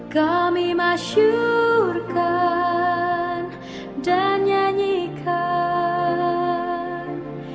kami masyurkan dan nyanyikan